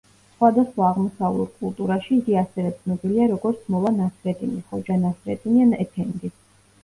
სხვადასხვა აღმოსავლურ კულტურაში იგი ასევე ცნობილია როგორც „მოლა ნასრედინი“, „ხოჯა ნასრედინი“ ან „ეფენდი“.